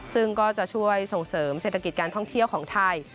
ซึ่งก็จะช่วยส่งเสริมเศรษฐกิจการท่องเที่ยวของไทย